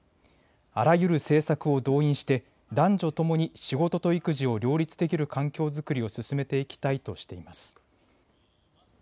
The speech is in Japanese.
あらゆる政策を動員して男女ともに仕事と育児を両立できる環境作りを進めていきたいとしています。